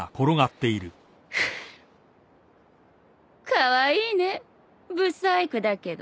カワイイね不細工だけど。